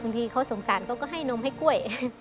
บางทีเค้าสงสารก็ให้นมให้กล้วย